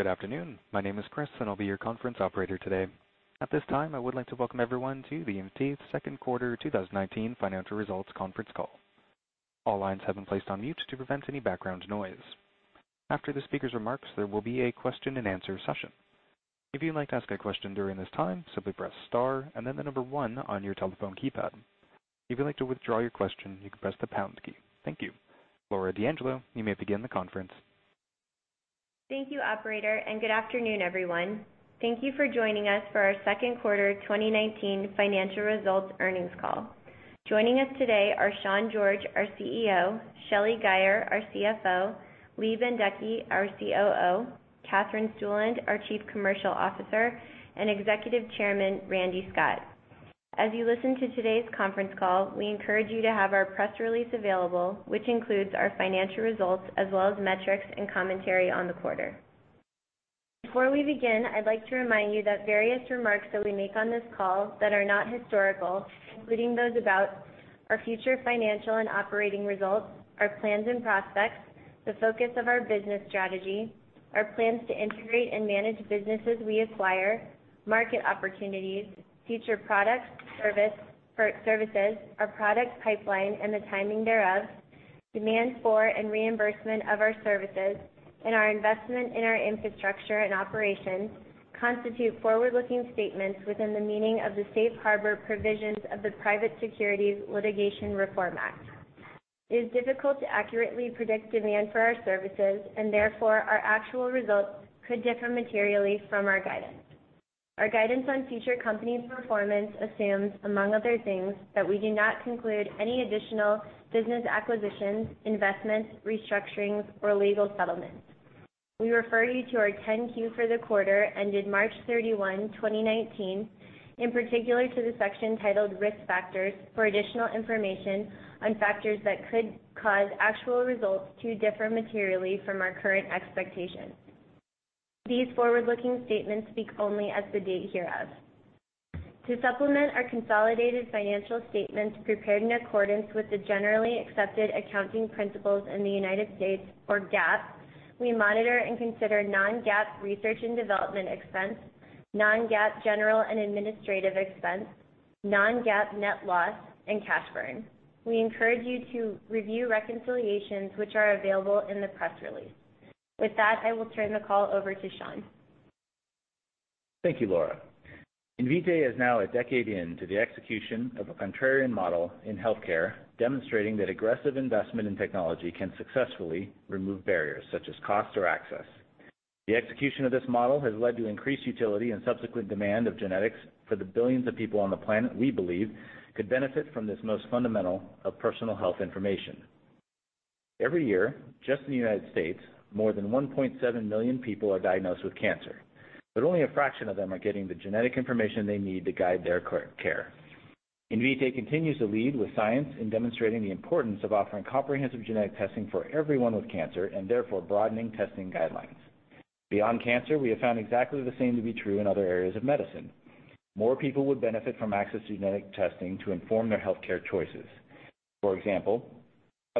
Good afternoon. My name is Chris, I'll be your conference operator today. At this time, I would like to welcome everyone to the Invitae Second Quarter 2019 Financial Results Conference Call. All lines have been placed on mute to prevent any background noise. After the speaker's remarks, there will be a question and answer session. If you'd like to ask a question during this time, simply press star and then the number 1 on your telephone keypad. If you'd like to withdraw your question, you can press the pound key. Thank you. Laura D'Angelo, you may begin the conference. Thank you, operator, and good afternoon, everyone. Thank you for joining us for our second quarter 2019 financial results earnings call. Joining us today are Sean George, our CEO, Shelly Guyer, our CFO, Lee Bendekgey, our COO, Katherine Stueland, our Chief Commercial Officer, and Executive Chairman, Randy Scott. As you listen to today's conference call, we encourage you to have our press release available, which includes our financial results as well as metrics and commentary on the quarter. Before we begin, I'd like to remind you that various remarks that we make on this call that are not historical, including those about our future financial and operating results, our plans and prospects, the focus of our business strategy, our plans to integrate and manage businesses we acquire, market opportunities, future products, services, our product pipeline, and the timing thereof, demand for and reimbursement of our services, and our investment in our infrastructure and operations, constitute forward-looking statements within the meaning of the safe harbor provisions of the Private Securities Litigation Reform Act. It is difficult to accurately predict demand for our services, and therefore, our actual results could differ materially from our guidance. Our guidance on future company performance assumes, among other things, that we do not conclude any additional business acquisitions, investments, restructurings, or legal settlements. We refer you to our 10-Q for the quarter ended March 31, 2019, in particular to the section titled Risk Factors, for additional information on factors that could cause actual results to differ materially from our current expectations. These forward-looking statements speak only as the date hereof. To supplement our consolidated financial statements prepared in accordance with the generally accepted accounting principles in the U.S., or GAAP, we monitor and consider non-GAAP research and development expense, non-GAAP general and administrative expense, non-GAAP net loss, and cash burn. We encourage you to review reconciliations, which are available in the press release. With that, I will turn the call over to Sean. Thank you, Laura. Invitae is now a decade into the execution of a contrarian model in healthcare, demonstrating that aggressive investment in technology can successfully remove barriers such as cost or access. The execution of this model has led to increased utility and subsequent demand of genetics for the billions of people on the planet we believe could benefit from this most fundamental of personal health information. Every year, just in the United States, more than 1.7 million people are diagnosed with cancer, but only a fraction of them are getting the genetic information they need to guide their care. Invitae continues to lead with science in demonstrating the importance of offering comprehensive genetic testing for everyone with cancer and therefore broadening testing guidelines. Beyond cancer, we have found exactly the same to be true in other areas of medicine. More people would benefit from access to genetic testing to inform their healthcare choices. For example,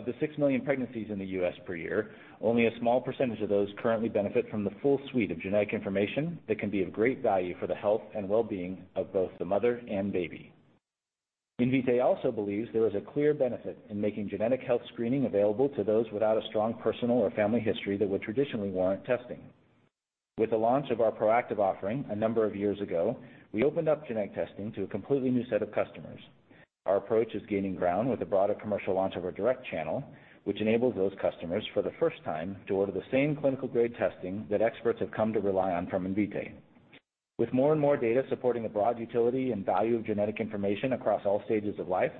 of the 6 million pregnancies in the U.S. per year, only a small percentage of those currently benefit from the full suite of genetic information that can be of great value for the health and well-being of both the mother and baby. Invitae also believes there is a clear benefit in making genetic health screening available to those without a strong personal or family history that would traditionally warrant testing. With the launch of our proactive offering a number of years ago, we opened up genetic testing to a completely new set of customers. Our approach is gaining ground with the broader commercial launch of our direct channel, which enables those customers, for the first time, to order the same clinical-grade testing that experts have come to rely on from Invitae. With more and more data supporting the broad utility and value of genetic information across all stages of life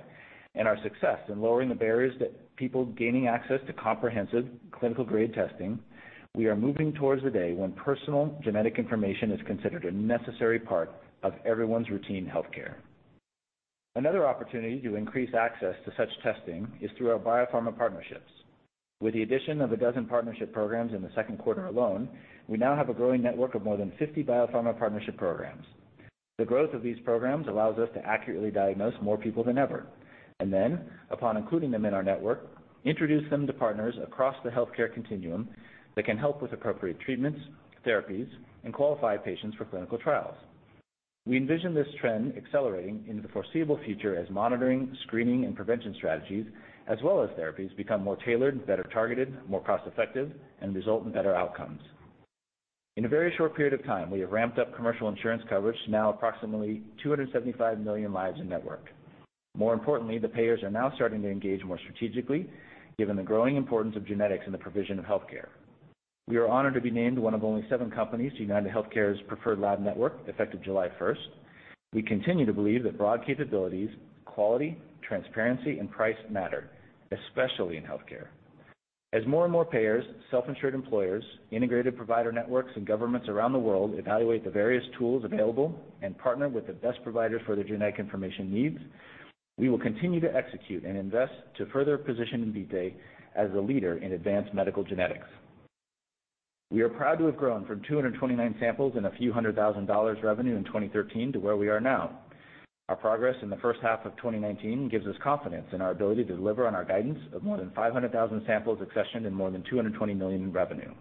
and our success in lowering the barriers to people gaining access to comprehensive clinical-grade testing, we are moving towards the day when personal genetic information is considered a necessary part of everyone's routine healthcare. Another opportunity to increase access to such testing is through our biopharma partnerships. With the addition of a dozen partnership programs in the second quarter alone, we now have a growing network of more than 50 biopharma partnership programs. The growth of these programs allows us to accurately diagnose more people than ever, and then, upon including them in our network, introduce them to partners across the healthcare continuum that can help with appropriate treatments, therapies, and qualify patients for clinical trials. We envision this trend accelerating into the foreseeable future as monitoring, screening, and prevention strategies, as well as therapies, become more tailored, better targeted, more cost-effective, and result in better outcomes. In a very short period of time, we have ramped up commercial insurance coverage to now approximately 275 million lives in-network. More importantly, the payers are now starting to engage more strategically, given the growing importance of genetics in the provision of healthcare. We are honored to be named one of only seven companies to UnitedHealthcare's preferred lab network, effective July 1st. We continue to believe that broad capabilities, quality, transparency, and price matter, especially in healthcare. As more and more payers, self-insured employers, integrated provider networks, and governments around the world evaluate the various tools available and partner with the best provider for their genetic information needs, we will continue to execute and invest to further position Invitae as a leader in advanced medical genetics. We are proud to have grown from 229 samples and a few hundred thousand dollars revenue in 2013 to where we are now. Our progress in the first half of 2019 gives us confidence in our ability to deliver on our guidance of more than 500,000 samples accessioned and more than $220 million in revenue.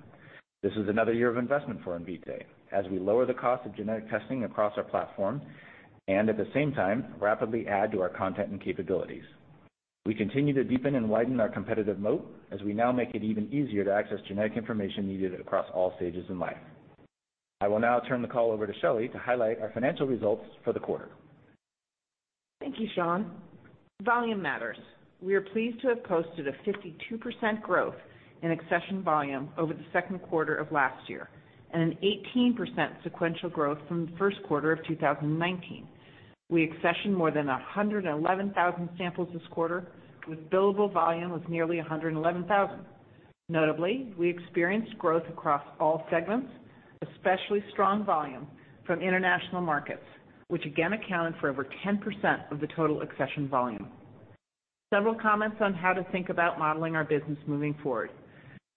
This is another year of investment for Invitae as we lower the cost of genetic testing across our platform, and at the same time, rapidly add to our content and capabilities. We continue to deepen and widen our competitive moat as we now make it even easier to access genetic information needed across all stages in life. I will now turn the call over to Shelly to highlight our financial results for the quarter. Thank you, Sean. Volume matters. We are pleased to have posted a 52% growth in accession volume over the second quarter of last year, and an 18% sequential growth from the first quarter of 2019. We accessioned more than 111,000 samples this quarter, with billable volume of nearly 111,000. Notably, we experienced growth across all segments, especially strong volume from international markets, which again accounted for over 10% of the total accession volume. Several comments on how to think about modeling our business moving forward.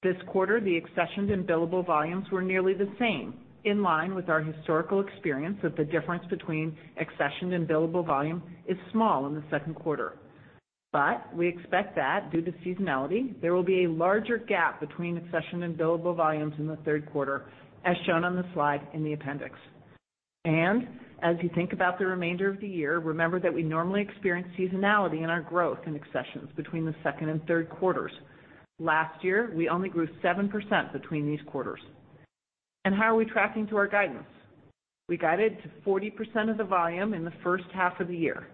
This quarter, the accessioned and billable volumes were nearly the same, in line with our historical experience that the difference between accessioned and billable volume is small in the second quarter. We expect that, due to seasonality, there will be a larger gap between accession and billable volumes in the third quarter, as shown on the slide in the appendix. As you think about the remainder of the year, remember that we normally experience seasonality in our growth in accessions between the second and third quarters. Last year, we only grew 7% between these quarters. How are we tracking to our guidance? We guided to 40% of the volume in the first half of the year.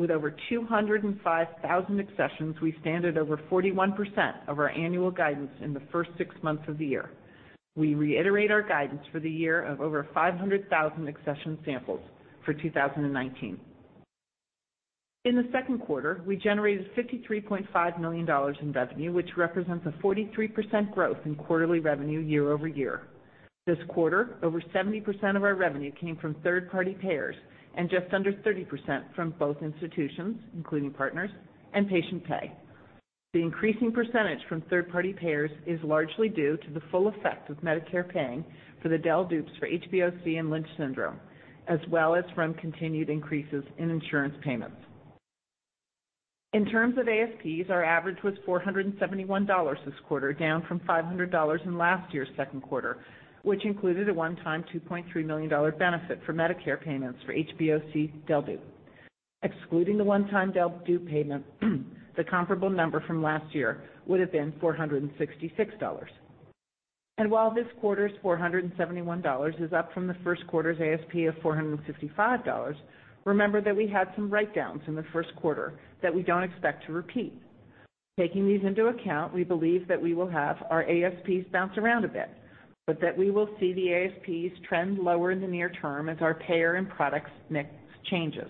With over 205,000 accessions, we stand at over 41% of our annual guidance in the first six months of the year. We reiterate our guidance for the year of over 500,000 accession samples for 2019. In the second quarter, we generated $53.5 million in revenue, which represents a 43% growth in quarterly revenue year-over-year. This quarter, over 70% of our revenue came from third-party payers and just under 30% from both institutions, including partners, and patient pay. The increasing percentage from third-party payers is largely due to the full effect of Medicare paying for the del/dup for HBOC and Lynch syndrome, as well as from continued increases in insurance payments. In terms of ASPs, our average was $471 this quarter, down from $500 in last year's second quarter, which included a one-time $2.3 million benefit for Medicare payments for HBOC del/dup. Excluding the one-time del/dup payment, the comparable number from last year would have been $466. While this quarter's $471 is up from the first quarter's ASP of $455, remember that we had some write-downs in the first quarter that we don't expect to repeat. Taking these into account, we believe that we will have our ASPs bounce around a bit, but that we will see the ASPs trend lower in the near term as our payer and products mix changes.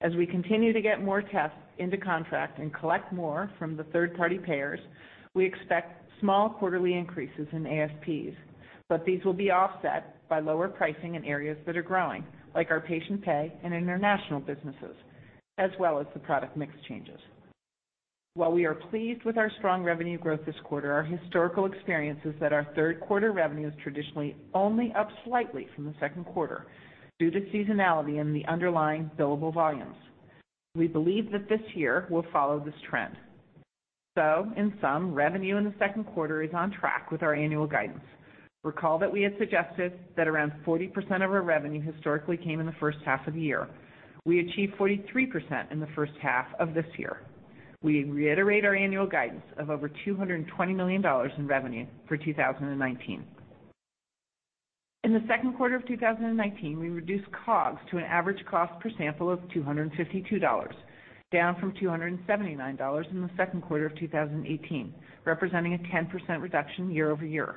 As we continue to get more tests into contract and collect more from the third-party payers, we expect small quarterly increases in ASPs, but these will be offset by lower pricing in areas that are growing, like our patient pay and international businesses, as well as the product mix changes. While we are pleased with our strong revenue growth this quarter, our historical experience is that our third quarter revenue is traditionally only up slightly from the second quarter due to seasonality in the underlying billable volumes. We believe that this year will follow this trend. In sum, revenue in the second quarter is on track with our annual guidance. Recall that we had suggested that around 40% of our revenue historically came in the first half of the year. We achieved 43% in the first half of this year. We reiterate our annual guidance of over $220 million in revenue for 2019. In the second quarter of 2019, we reduced COGS to an average cost per sample of $252, down from $279 in the second quarter of 2018, representing a 10% reduction year-over-year.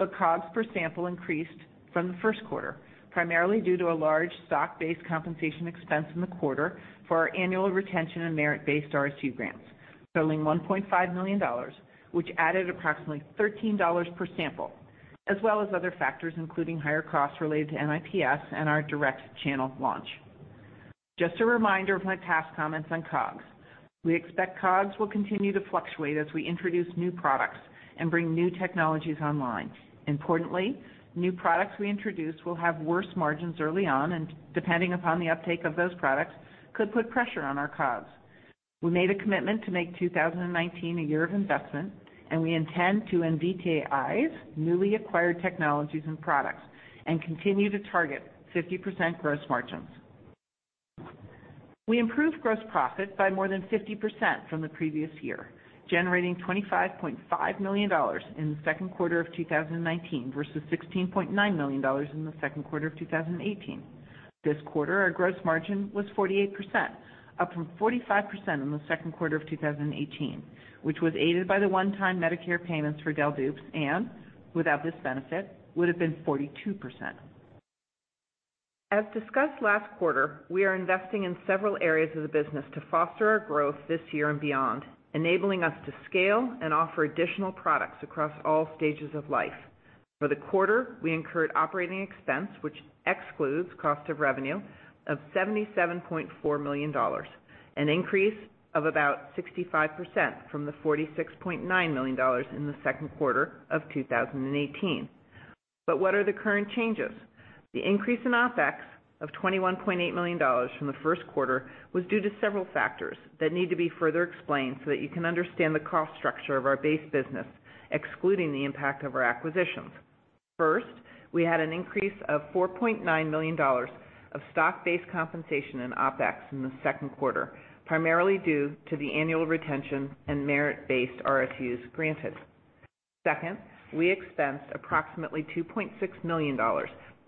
COGS per sample increased from the first quarter, primarily due to a large stock-based compensation expense in the quarter for our annual retention and merit-based RSU grants, totaling $1.5 million, which added approximately $13 per sample, as well as other factors, including higher costs related to NIPS and our direct channel launch. Just a reminder of my past comments on COGS. We expect COGS will continue to fluctuate as we introduce new products and bring new technologies online. Importantly, new products we introduce will have worse margins early on and, depending upon the uptake of those products, could put pressure on our COGS. We made a commitment to make 2019 a year of investment, and we intend to integrate newly acquired technologies and products and continue to target 50% gross margins. We improved gross profit by more than 50% from the previous year, generating $25.5 million in the second quarter of 2019 versus $16.9 million in the second quarter of 2018. This quarter, our gross margin was 48%, up from 45% in the second quarter of 2018, which was aided by the one-time Medicare payments for del/dup and, without this benefit, would have been 42%. As discussed last quarter, we are investing in several areas of the business to foster our growth this year and beyond, enabling us to scale and offer additional products across all stages of life. For the quarter, we incurred operating expense, which excludes cost of revenue, of $77.4 million, an increase of about 65% from the $46.9 million in the second quarter of 2018. What are the current changes? The increase in OpEx of $21.8 million from the first quarter was due to several factors that need to be further explained so that you can understand the cost structure of our base business, excluding the impact of our acquisitions. First, we had an increase of $4.9 million of stock-based compensation in OpEx in the second quarter, primarily due to the annual retention and merit-based RSUs granted. Second, we expensed approximately $2.6 million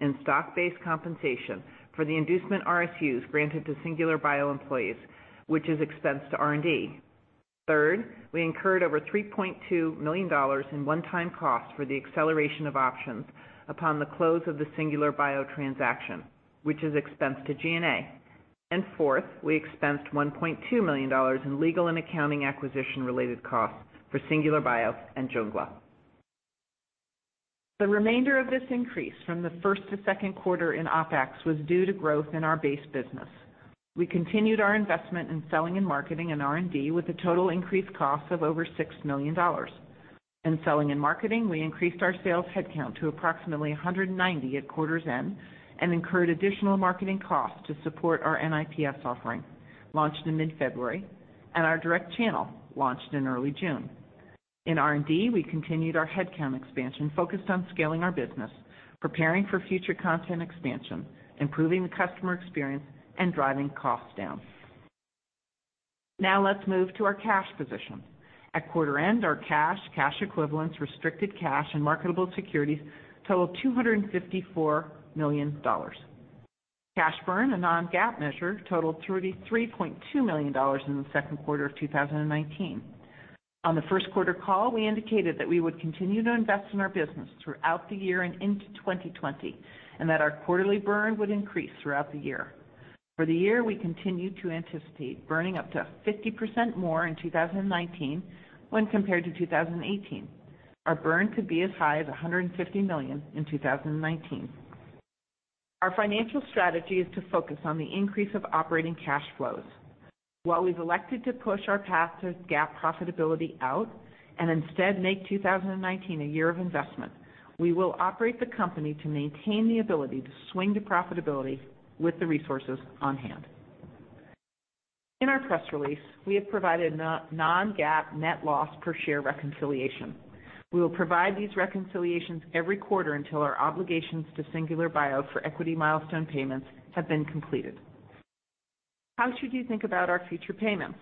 in stock-based compensation for the inducement RSUs granted to Singular Bio employees, which is expensed to R&D. Third, we incurred over $3.2 million in one-time costs for the acceleration of options upon the close of the Singular Bio transaction, which is expensed to G&A. Fourth, we expensed $1.2 million in legal and accounting acquisition-related costs for Singular Bio and Jungla. The remainder of this increase from the first to second quarter in OpEx was due to growth in our base business. We continued our investment in selling and marketing and R&D with a total increased cost of over $6 million. In selling and marketing, we increased our sales headcount to approximately 190 at quarter's end and incurred additional marketing costs to support our NIPS offering, launched in mid-February, and our direct channel, launched in early June. In R&D, we continued our headcount expansion focused on scaling our business, preparing for future content expansion, improving the customer experience, and driving costs down. Now let's move to our cash position. At quarter end, our cash equivalents, restricted cash, and marketable securities totaled $254 million. Cash burn, a non-GAAP measure, totaled $33.2 million in the second quarter of 2019. On the first quarter call, we indicated that we would continue to invest in our business throughout the year and into 2020, and that our quarterly burn would increase throughout the year. For the year, we continue to anticipate burning up to 50% more in 2019 when compared to 2018. Our burn could be as high as $150 million in 2019. Our financial strategy is to focus on the increase of operating cash flows. While we've elected to push our path to GAAP profitability out and instead make 2019 a year of investment, we will operate the company to maintain the ability to swing to profitability with the resources on hand. In our press release, we have provided a non-GAAP net loss per share reconciliation. We will provide these reconciliations every quarter until our obligations to Singular Bio for equity milestone payments have been completed. How should you think about our future payments?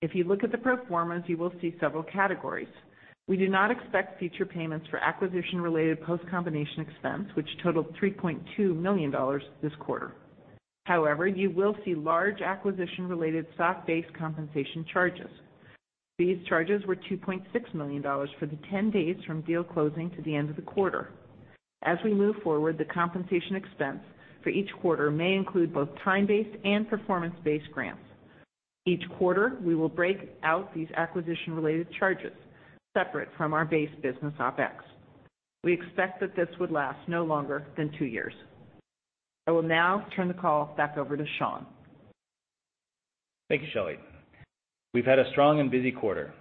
If you look at the pro formas, you will see several categories. We do not expect future payments for acquisition-related post-combination expense, which totaled $3.2 million this quarter. You will see large acquisition-related stock-based compensation charges. These charges were $2.6 million for the 10 days from deal closing to the end of the quarter. As we move forward, the compensation expense for each quarter may include both time-based and performance-based grants. Each quarter, we will break out these acquisition-related charges separate from our base business OpEx. We expect that this would last no longer than 2 years. I will now turn the call back over to Sean. Thank you, Shelly. We've had a strong and busy quarter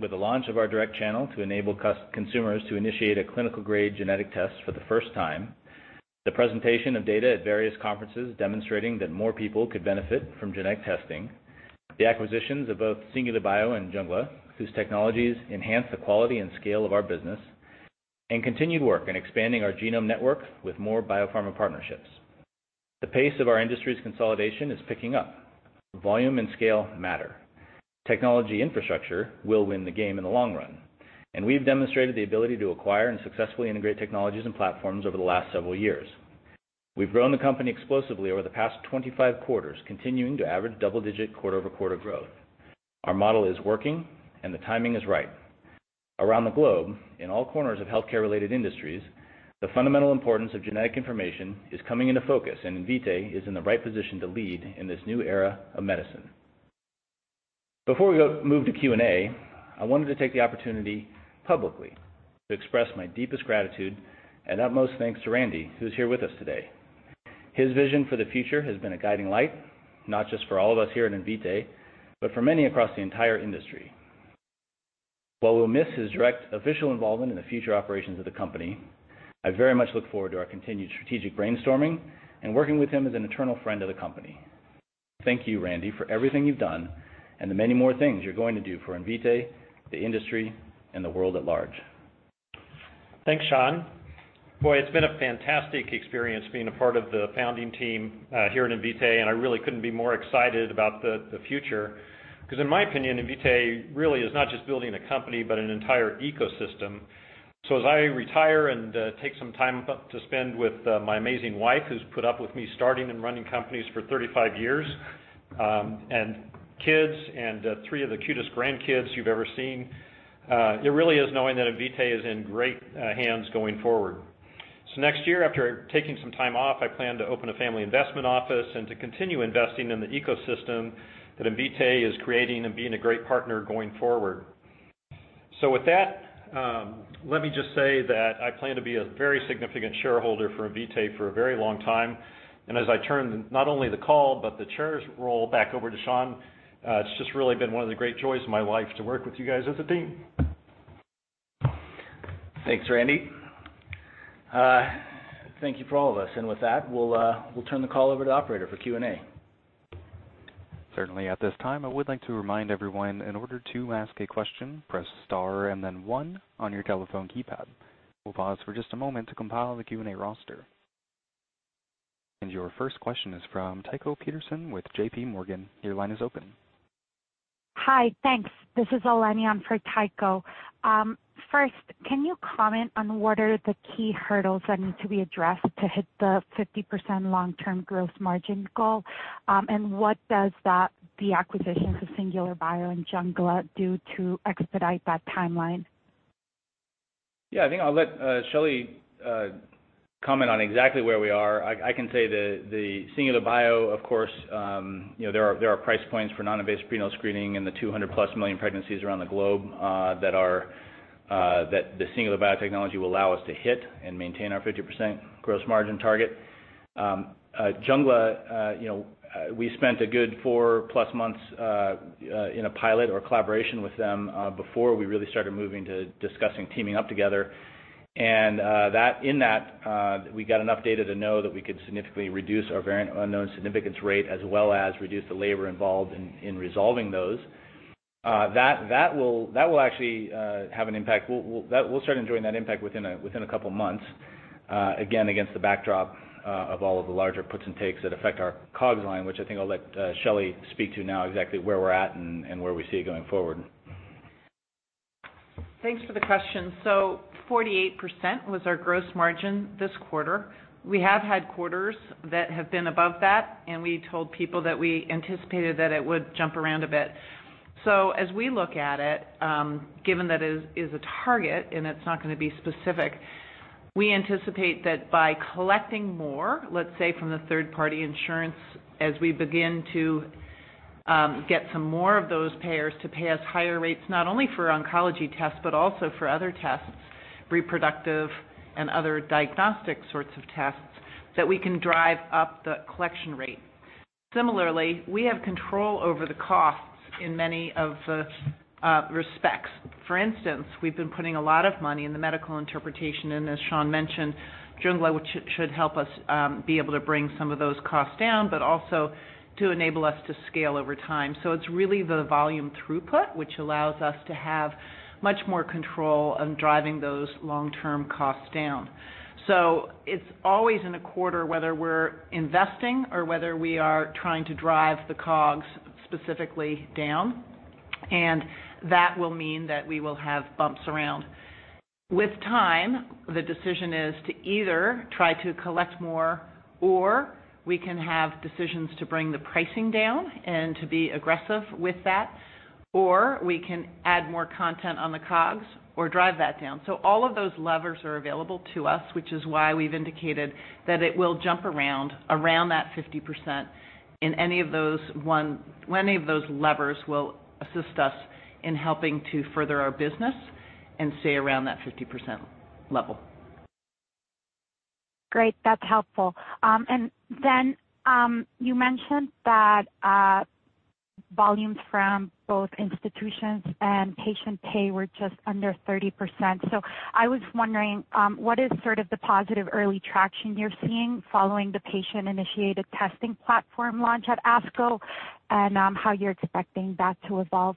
with the launch of our direct channel to enable consumers to initiate a clinical-grade genetic test for the first time, the presentation of data at various conferences demonstrating that more people could benefit from genetic testing, the acquisitions of both Singular Bio and Jungla, whose technologies enhance the quality and scale of our business, and continued work in expanding our genome network with more biopharma partnerships. The pace of our industry's consolidation is picking up. Volume and scale matter. Technology infrastructure will win the game in the long run, we've demonstrated the ability to acquire and successfully integrate technologies and platforms over the last several years. We've grown the company explosively over the past 25 quarters, continuing to average double-digit quarter-over-quarter growth. Our model is working, the timing is right. Around the globe, in all corners of healthcare-related industries, the fundamental importance of genetic information is coming into focus, and Invitae is in the right position to lead in this new era of medicine. Before we move to Q&A, I wanted to take the opportunity publicly to express my deepest gratitude and utmost thanks to Randy, who's here with us today. His vision for the future has been a guiding light, not just for all of us here at Invitae, but for many across the entire industry. While we'll miss his direct official involvement in the future operations of the company, I very much look forward to our continued strategic brainstorming and working with him as an eternal friend of the company. Thank you, Randy, for everything you've done and the many more things you're going to do for Invitae, the industry, and the world at large. Thanks, Sean. Boy, it's been a fantastic experience being a part of the founding team here at Invitae, and I really couldn't be more excited about the future because in my opinion, Invitae really is not just building a company, but an entire ecosystem. As I retire and take some time to spend with my amazing wife, who's put up with me starting and running companies for 35 years, and kids and three of the cutest grandkids you've ever seen, it really is knowing that Invitae is in great hands going forward. Next year, after taking some time off, I plan to open a family investment office and to continue investing in the ecosystem that Invitae is creating and being a great partner going forward. With that, let me just say that I plan to be a very significant shareholder for Invitae for a very long time. As I turn not only the call, but the chair's role back over to Sean, it's just really been one of the great joys of my life to work with you guys as a team. Thanks, Randy. Thank you from all of us. With that, we'll turn the call over to operator for Q&A. Certainly. At this time, I would like to remind everyone, in order to ask a question, press star and then one on your telephone keypad. We'll pause for just a moment to compile the Q&A roster. Your first question is from Tycho Peterson with J.P. Morgan. Your line is open. Hi. Thanks. This is Eleni on for Tycho. First, can you comment on what are the key hurdles that need to be addressed to hit the 50% long-term gross margin goal? What does the acquisitions of Singular Bio and Jungla do to expedite that timeline? Yeah, I think I'll let Shelly comment on exactly where we are. I can say the Singular Bio, of course, there are price points for non-invasive prenatal screening in the 200-plus million pregnancies around the globe that the Singular Bio technology will allow us to hit and maintain our 50% gross margin target. Jungla, we spent a good four-plus months in a pilot or collaboration with them before we really started moving to discussing teaming up together. In that, we got enough data to know that we could significantly reduce our variant of unknown significance rate, as well as reduce the labor involved in resolving those. That will actually have an impact. We'll start enjoying that impact within a couple of months, again, against the backdrop of all of the larger puts and takes that affect our COGS line, which I think I'll let Shelly speak to now exactly where we're at and where we see it going forward. Thanks for the question. 48% was our gross margin this quarter. We have had quarters that have been above that, and we told people that we anticipated that it would jump around a bit. As we look at it, given that it is a target and it's not going to be specific, we anticipate that by collecting more, let's say from the third-party insurance, as we begin to get some more of those payers to pay us higher rates, not only for oncology tests, but also for other tests, reproductive and other diagnostic sorts of tests, that we can drive up the collection rate. Similarly, we have control over the costs in many of the respects. For instance, we've been putting a lot of money in the medical interpretation, and as Sean mentioned, Jungla, which should help us be able to bring some of those costs down, but also to enable us to scale over time. It's really the volume throughput, which allows us to have much more control on driving those long-term costs down. It's always in a quarter whether we're investing or whether we are trying to drive the COGS specifically down, and that will mean that we will have bumps around. With time, the decision is to either try to collect more, or we can have decisions to bring the pricing down and to be aggressive with that, or we can add more content on the COGS or drive that down. All of those levers are available to us, which is why we've indicated that it will jump around that 50% and any of those levers will assist us in helping to further our business and stay around that 50% level. Great. That's helpful. You mentioned that volumes from both institutions and patient pay were just under 30%. I was wondering, what is sort of the positive early traction you're seeing following the patient-initiated testing platform launch at ASCO and how you're expecting that to evolve?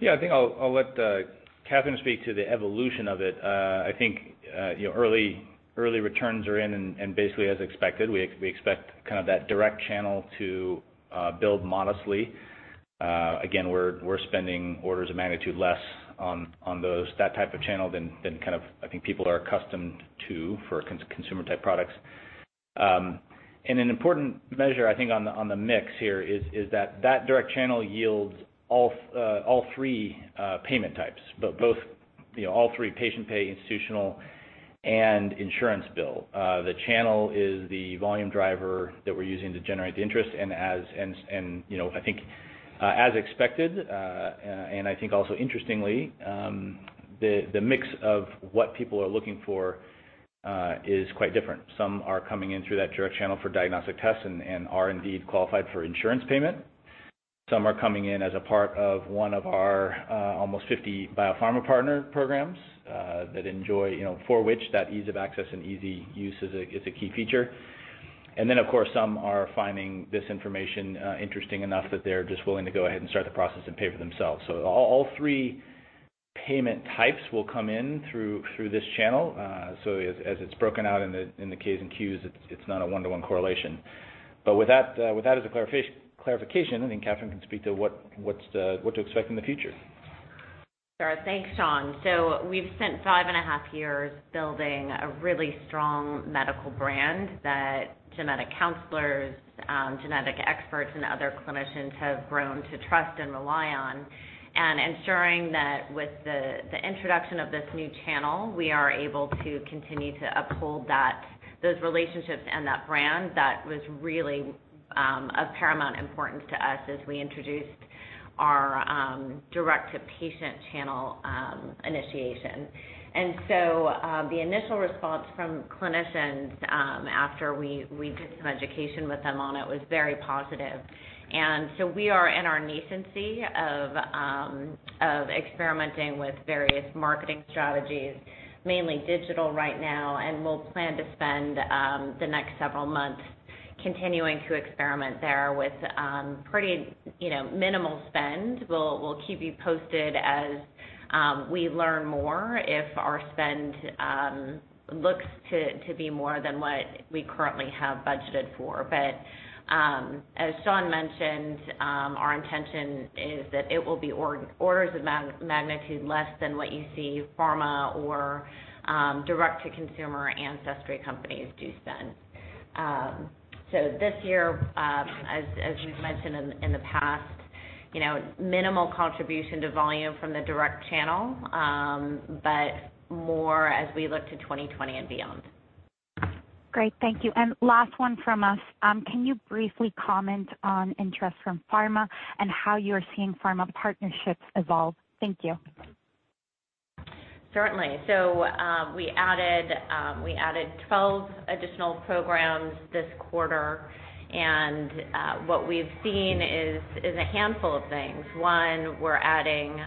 Yeah, I think I'll let Katherine speak to the evolution of it. I think early returns are in and basically as expected. We expect kind of that direct channel to build modestly. Again, we're spending orders of magnitude less on that type of channel than I think people are accustomed to for consumer-type products. An important measure, I think, on the mix here is that that direct channel yields all 3 payment types, all 3 patient pay, institutional, and insurance bill. The channel is the volume driver that we're using to generate the interest, I think as expected, I think also interestingly, the mix of what people are looking for is quite different. Some are coming in through that direct channel for diagnostic tests and are indeed qualified for insurance payment. Some are coming in as a part of one of our almost 50 biopharma partner programs, for which that ease of access and easy use is a key feature. Of course, some are finding this information interesting enough that they're just willing to go ahead and start the process and pay for themselves. All three payment types will come in through this channel. As it's broken out in the K's and Q's, it's not a one-to-one correlation. With that as a clarification, I think Katherine can speak to what to expect in the future. Sure. Thanks, Sean. We've spent five and a half years building a really strong medical brand that genetic counselors, genetic experts, and other clinicians have grown to trust and rely on. Ensuring that with the introduction of this new channel, we are able to continue to uphold those relationships and that brand that was really of paramount importance to us as we introduced our direct-to-patient channel initiation. The initial response from clinicians after we did some education with them on it was very positive. We are in our nascency of experimenting with various marketing strategies, mainly digital right now, and we'll plan to spend the next several months continuing to experiment there with pretty minimal spend. We'll keep you posted as we learn more if our spend looks to be more than what we currently have budgeted for. As Sean mentioned, our intention is that it will be orders of magnitude less than what you see pharma or direct-to-consumer ancestry companies do spend. This year, as we've mentioned in the past, minimal contribution to volume from the direct channel, but more as we look to 2020 and beyond. Great, thank you. Last one from us. Can you briefly comment on interest from pharma and how you're seeing pharma partnerships evolve? Thank you. Certainly. We added 12 additional programs this quarter, and what we've seen is a handful of things. One, we're adding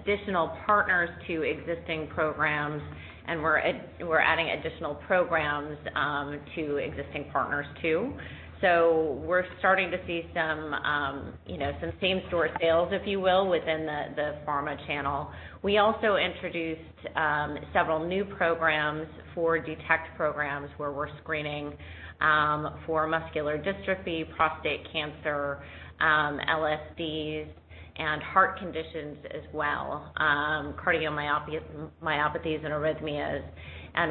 additional partners to existing programs, and we're adding additional programs to existing partners, too. We're starting to see some same-store sales, if you will, within the pharma channel. We also introduced several new programs for Detect programs, where we're screening for muscular dystrophy, prostate cancer, LSDs, and heart conditions as well, cardiomyopathies and arrhythmias.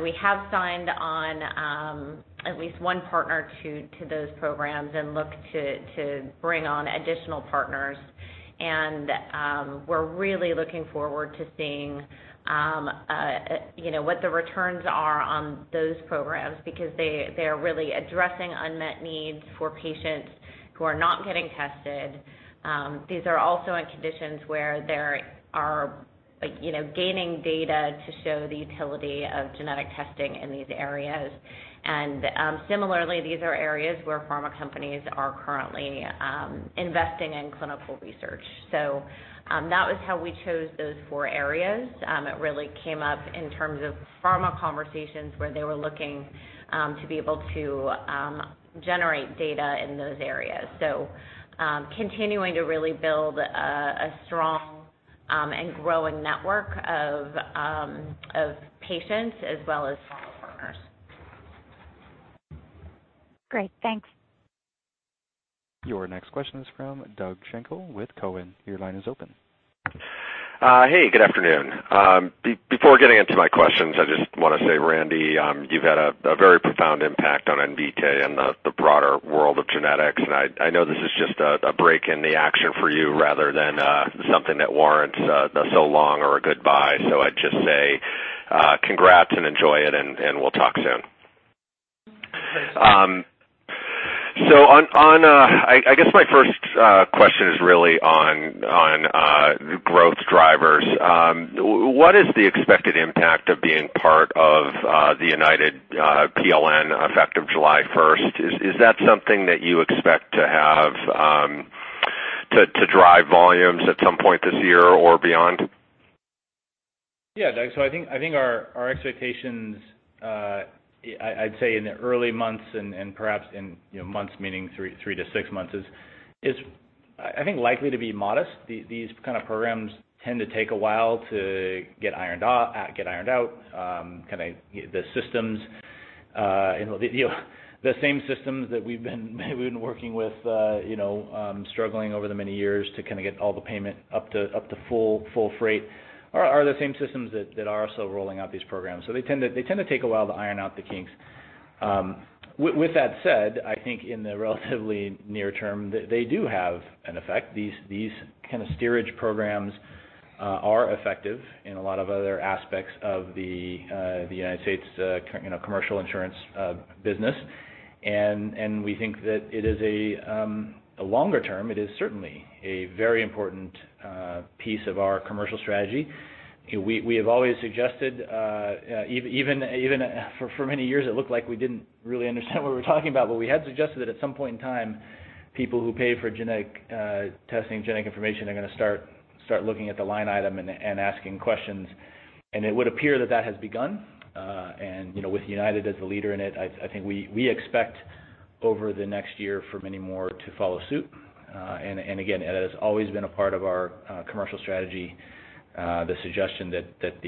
We have signed on at least one partner to those programs and look to bring on additional partners. We're really looking forward to seeing what the returns are on those programs, because they are really addressing unmet needs for patients who are not getting tested. These are also in conditions where there are gaining data to show the utility of genetic testing in these areas. Similarly, these are areas where pharma companies are currently investing in clinical research. That was how we chose those four areas. It really came up in terms of pharma conversations where they were looking to be able to generate data in those areas. Continuing to really build a strong and growing network of patients as well as pharma partners. Great. Thanks. Your next question is from Doug Schenkel with Cowen. Your line is open. Hey, good afternoon. Before getting into my questions, I just want to say, Randy, you've had a very profound impact on Invitae and the broader world of genetics, and I know this is just a break in the action for you rather than something that warrants a so long or a goodbye. I'd just say congrats and enjoy it, and we'll talk soon. Thanks. I guess my first question is really on growth drivers. What is the expected impact of being part of the UnitedHealthcare PLN effective July 1st? Is that something that you expect to have to drive volumes at some point this year or beyond? Doug, I think our expectations, I'd say in the early months and perhaps in months meaning three to six months, is I think likely to be modest. These kind of programs tend to take a while to get ironed out. The same systems that we've been working with, struggling over the many years to kind of get all the payment up to full freight are the same systems that are also rolling out these programs. They tend to take a while to iron out the kinks. With that said, I think in the relatively near term, they do have an effect. These kind of steerage programs are effective in a lot of other aspects of the UnitedHealthcare commercial insurance business. We think that it is a longer term, it is certainly a very important piece of our commercial strategy. We have always suggested, even for many years, it looked like we didn't really understand what we were talking about, but we had suggested that at some point in time, people who pay for genetic testing, genetic information are going to start looking at the line item and asking questions. It would appear that that has begun. With UnitedHealthcare as a leader in it, I think we expect over the next year for many more to follow suit. Again, that has always been a part of our commercial strategy, the suggestion that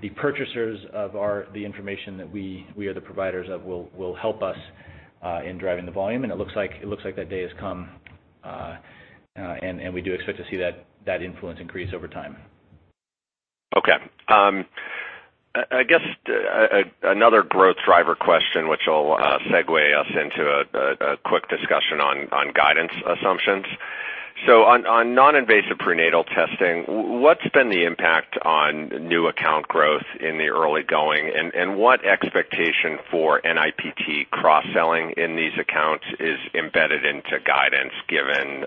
the purchasers of the information that we are the providers of will help us in driving the volume, and it looks like that day has come, and we do expect to see that influence increase over time. Okay. I guess another growth driver question, which will segue us into a quick discussion on guidance assumptions. On non-invasive prenatal testing, what's been the impact on new account growth in the early going, and what expectation for NIPT cross-selling in these accounts is embedded into guidance given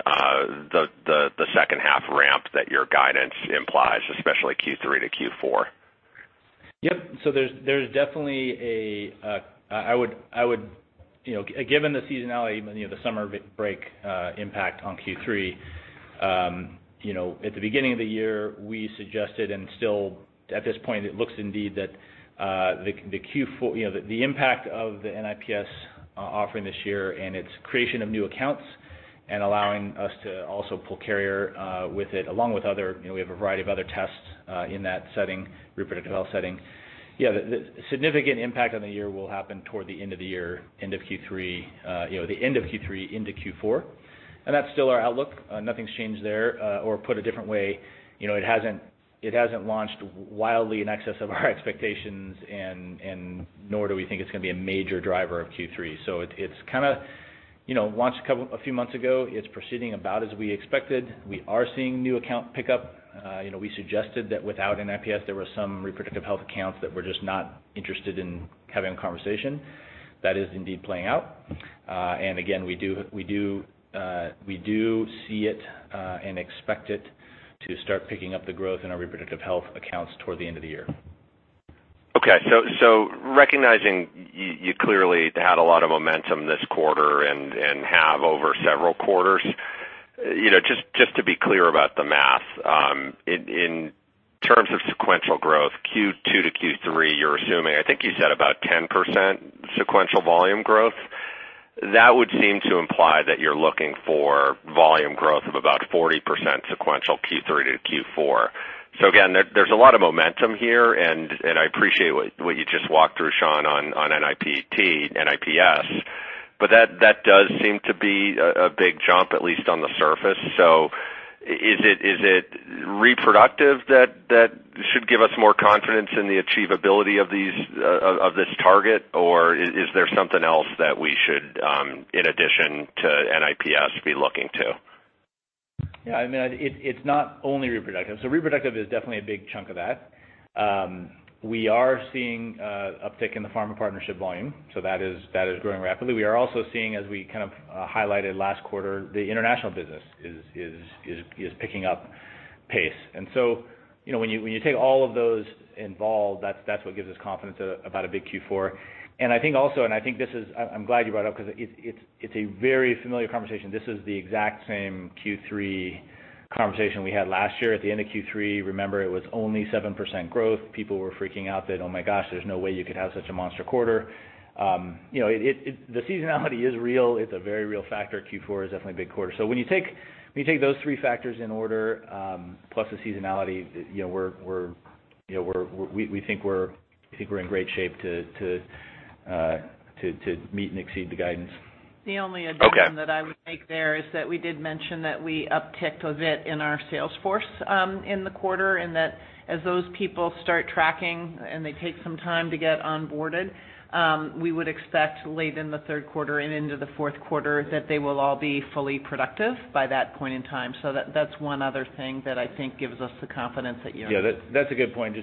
the second half ramp that your guidance implies, especially Q3 to Q4? Yep. There's definitely a given the seasonality, the summer break impact on Q3. At the beginning of the year, we suggested, and still at this point, it looks indeed that the impact of the NIPS offering this year and its creation of new accounts and allowing us to also pull carrier with it, along with other, we have a variety of other tests in that setting, reproductive health setting. Yeah, the significant impact on the year will happen toward the end of the year, end of Q3, the end of Q3 into Q4, and that's still our outlook. Nothing's changed there. Or put a different way, it hasn't launched wildly in excess of our expectations and nor do we think it's going to be a major driver of Q3. It's kind of launched a few months ago. It's proceeding about as we expected. We are seeing new account pickup. We suggested that without NIPS, there were some reproductive health accounts that were just not interested in having a conversation. That is indeed playing out. Again, we do see it, and expect it to start picking up the growth in our reproductive health accounts toward the end of the year. Okay. Recognizing you clearly had a lot of momentum this quarter and have over several quarters, just to be clear about the math, in terms of sequential growth, Q2 to Q3, you're assuming, I think you said about 10% sequential volume growth. That would seem to imply that you're looking for volume growth of about 40% sequential Q3 to Q4. Again, there's a lot of momentum here, and I appreciate what you just walked through, Sean, on NIPT, NIPS, but that does seem to be a big jump, at least on the surface. Is it reproductive that should give us more confidence in the achievability of this target, or is there something else that we should, in addition to NIPS, be looking to? Yeah, it's not only reproductive. Reproductive is definitely a big chunk of that. We are seeing uptick in the pharma partnership volume, so that is growing rapidly. We are also seeing, as we kind of highlighted last quarter, the international business is picking up pace. When you take all of those involved, that's what gives us confidence about a big Q4. I think also, and I'm glad you brought it up because it's a very familiar conversation. This is the exact same Q3 conversation we had last year. At the end of Q3, remember, it was only 7% growth. People were freaking out that, oh my gosh, there's no way you could have such a monster quarter. The seasonality is real. It's a very real factor. Q4 is definitely a big quarter. When you take those three factors in order, plus the seasonality, we think we're in great shape to meet and exceed the guidance. The only addition- Okay that I would make there is that we did mention that we upticked a bit in our sales force in the quarter, and that as those people start tracking and they take some time to get onboarded, we would expect late in the third quarter and into the fourth quarter that they will all be fully productive by that point in time. That's one other thing that I think gives us the confidence that. Yeah, that's a good point.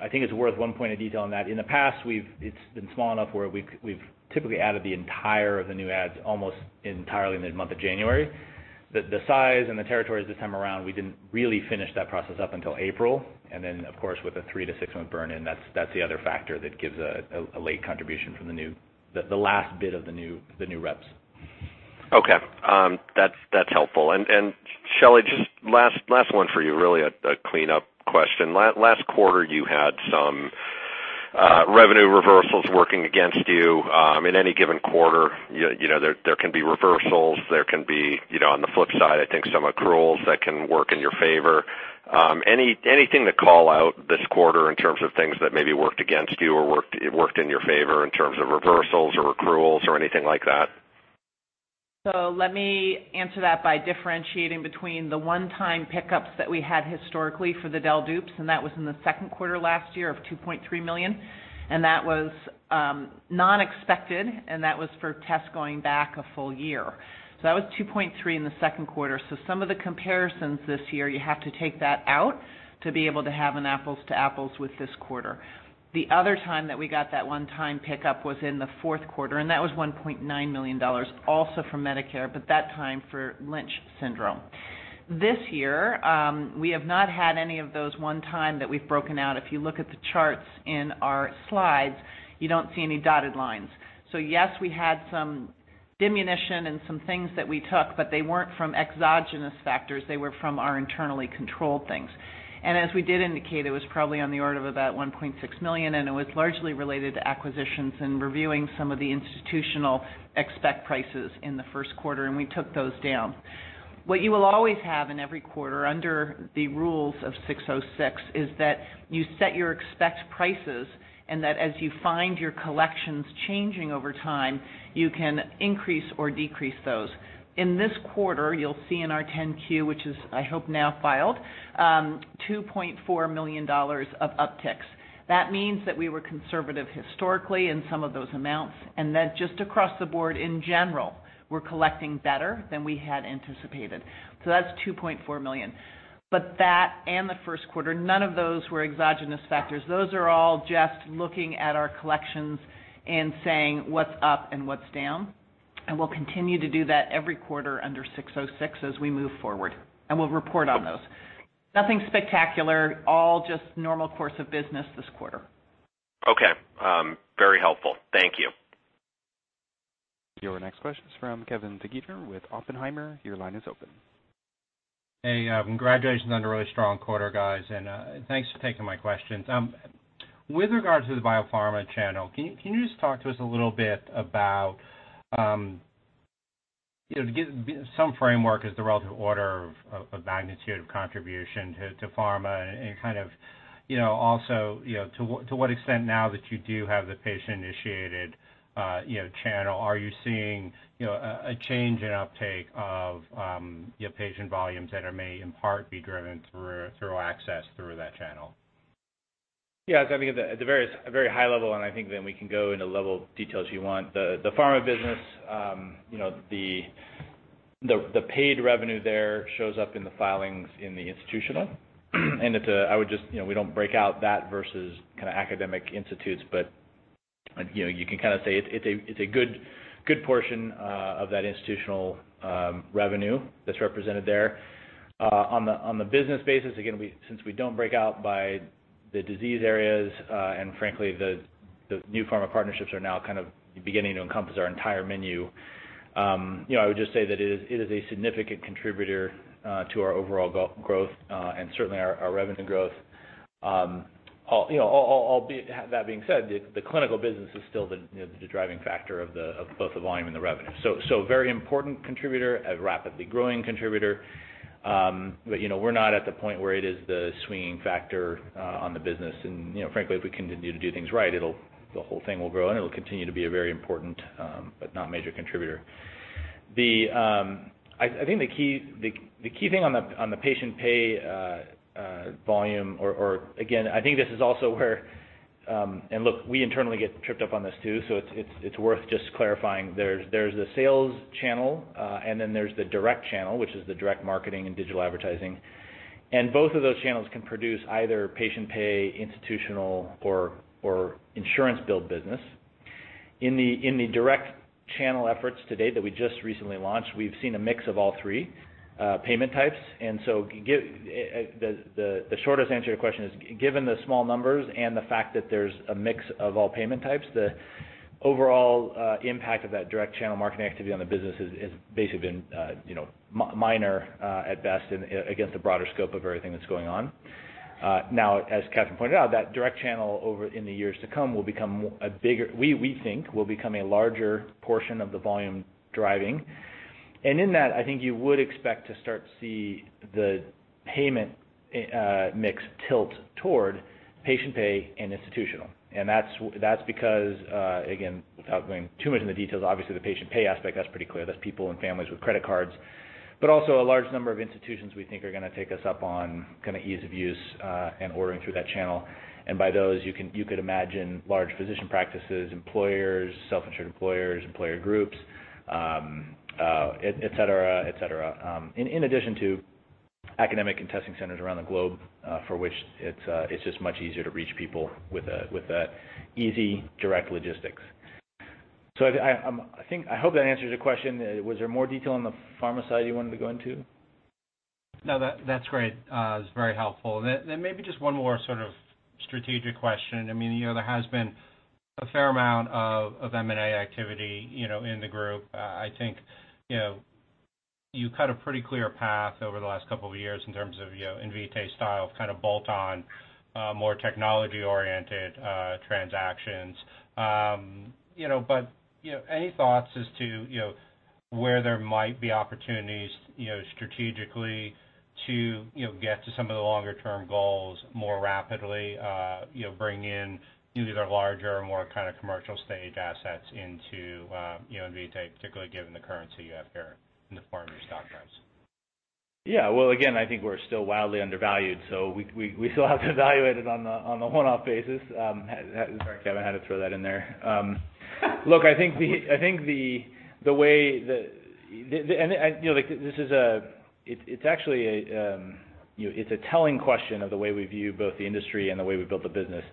I think it's worth one point of detail on that. In the past, it's been small enough where we've typically added the entire of the new adds almost entirely in the month of January. The size and the territories this time around, we didn't really finish that process up until April. Of course, with a three to six-month burn-in, that's the other factor that gives a late contribution from the last bit of the new reps. Okay. That's helpful. Shelly, just last one for you, really a cleanup question. Last quarter, you had some revenue reversals working against you. In any given quarter, there can be reversals, there can be, on the flip side, I think some accruals that can work in your favor. Anything to call out this quarter in terms of things that maybe worked against you or worked in your favor in terms of reversals or accruals or anything like that? Let me answer that by differentiating between the one-time pickups that we had historically for the del dupes, and that was in the second quarter last year of $2.3 million, and that was not expected, and that was for tests going back a full year. That was $2.3 in the second quarter. Some of the comparisons this year, you have to take that out to be able to have an apples-to-apples with this quarter. The other time that we got that one-time pickup was in the fourth quarter, and that was $1.9 million, also from Medicare, but that time for Lynch syndrome. This year, we have not had any of those one-time that we've broken out. If you look at the charts in our slides, you don't see any dotted lines. Yes, we had some diminution and some things that we took, but they weren't from exogenous factors. They were from our internally controlled things. As we did indicate, it was probably on the order of about $1.6 million, and it was largely related to acquisitions and reviewing some of the institutional expect prices in the first quarter, and we took those down. What you will always have in every quarter under the rules of 606 is that you set your expect prices and that as you find your collections changing over time, you can increase or decrease those. In this quarter, you'll see in our 10-Q, which is, I hope, now filed, $2.4 million of upticks. That means that we were conservative historically in some of those amounts, and that just across the board in general, we're collecting better than we had anticipated. That's $2.4 million. That and the first quarter, none of those were exogenous factors. Those are all just looking at our collections and saying what's up and what's down, and we'll continue to do that every quarter under 606 as we move forward, and we'll report on those. Nothing spectacular. All just normal course of business this quarter. Okay. Very helpful. Thank you. Your next question is from Kevin DeGeeter with Oppenheimer. Your line is open. Hey, congratulations on a really strong quarter, guys, and thanks for taking my questions. With regard to the biopharma channel, can you just talk to us a little bit about, to get some framework as the relative order of magnitude of contribution to pharma and also, to what extent now that you do have the patient-initiated channel, are you seeing a change in uptake of your patient volumes that are, may in part be driven through access through that channel? Yeah. I think at the very high level, and I think then we can go into level of detail as you want. The pharma business, the paid revenue there shows up in the filings in the institutional. We don't break out that versus academic institutes, but you can say it's a good portion of that institutional revenue that's represented there. On the business basis, again, since we don't break out by the disease areas, and frankly, the new pharma partnerships are now beginning to encompass our entire menu. I would just say that it is a significant contributor to our overall growth, and certainly our revenue growth. Albeit, that being said, the clinical business is still the driving factor of both the volume and the revenue. Very important contributor, a rapidly growing contributor, but we're not at the point where it is the swinging factor on the business. Frankly, if we continue to do things right, the whole thing will grow and it'll continue to be a very important, but not major contributor. I think the key thing on the patient pay volume. Again, I think this is also where and look, we internally get tripped up on this too, so it's worth just clarifying. There's the sales channel, and then there's the direct channel, which is the direct marketing and digital advertising. Both of those channels can produce either patient pay, institutional, or insurance billed business. In the direct channel efforts to date that we just recently launched, we've seen a mix of all three payment types. The shortest answer to your question is, given the small numbers and the fact that there's a mix of all payment types, the overall impact of that direct channel marketing activity on the business has basically been minor at best against the broader scope of everything that's going on. As Katherine pointed out, that direct channel in the years to come, we think, will become a larger portion of the volume driving. In that, I think you would expect to start to see the payment mix tilt toward patient pay and institutional. That's because, again, without going too much into the details, obviously the patient pay aspect, that's pretty clear. That's people and families with credit cards. Also a large number of institutions we think are going to take us up on ease of use, and ordering through that channel. By those, you could imagine large physician practices, employers, self-insured employers, employer groups, et cetera. In addition to academic and testing centers around the globe, for which it's just much easier to reach people with that easy direct logistics. I hope that answers your question. Was there more detail on the pharma side you wanted to go into? No, that's great. It's very helpful. Then maybe just one more sort of strategic question. There has been a fair amount of M&A activity in the group. I think you cut a pretty clear path over the last couple of years in terms of Invitae's style of bolt-on, more technology-oriented transactions. Any thoughts as to where there might be opportunities strategically to get to some of the longer-term goals more rapidly, bring in either larger, more commercial stage assets into Invitae, particularly given the currency you have here in the form of your stock price? Yeah. Well, again, I think we're still wildly undervalued, so we still have to evaluate it on the one-off basis. Sorry, Kevin, I had to throw that in there. Look, I think the way that It's a telling question of the way we view both the industry and the way we built the business.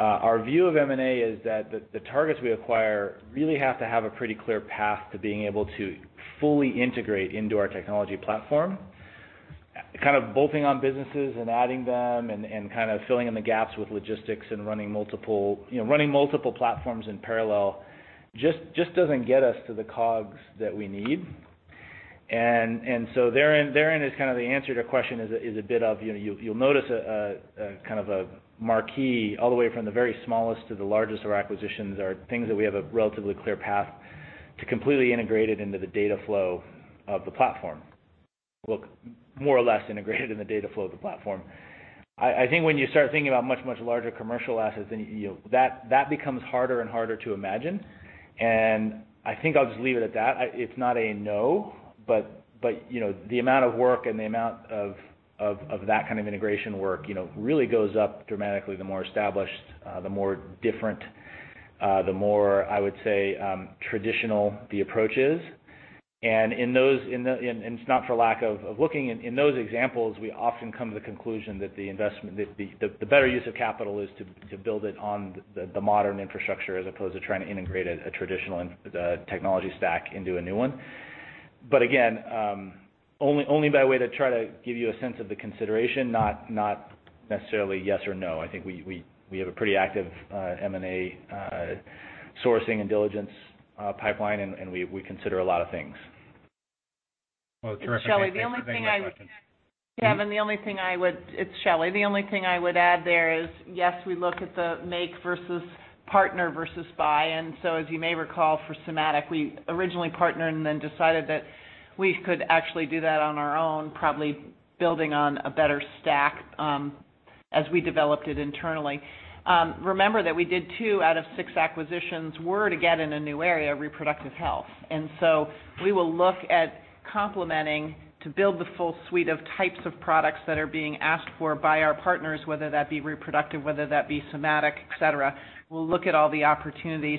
Our view of M&A is that the targets we acquire really have to have a pretty clear path to being able to fully integrate into our technology platform. Bolting on businesses and adding them and filling in the gaps with logistics and running multiple platforms in parallel just doesn't get us to the COGS that we need. Therein is the answer to your question is a bit of, you'll notice a marquee all the way from the very smallest to the largest of our acquisitions are things that we have a relatively clear path to completely integrate it into the data flow of the platform. Well, more or less integrated in the data flow of the platform. I think when you start thinking about much, much larger commercial assets, that becomes harder and harder to imagine. I think I'll just leave it at that. It's not a no, but the amount of work and the amount of that kind of integration work really goes up dramatically the more established, the more different, the more, I would say, traditional the approach is. It's not for lack of looking. In those examples, we often come to the conclusion that the better use of capital is to build it on the modern infrastructure as opposed to trying to integrate a traditional technology stack into a new one. Again, only by way to try to give you a sense of the consideration, not necessarily yes or no. I think we have a pretty active M&A sourcing and diligence pipeline, and we consider a lot of things. Well, terrific. Thanks for taking my question. It's Shelly. Kevin, it's Shelly. The only thing I would add there is, yes, we look at the make versus partner versus buy. As you may recall for somatic, we originally partnered and then decided that we could actually do that on our own, probably building on a better stack as we developed it internally. Remember that we did two out of six acquisitions were to get in a new area, reproductive health. We will look at complementing to build the full suite of types of products that are being asked for by our partners, whether that be reproductive, whether that be somatic, et cetera. We'll look at all the opportunities.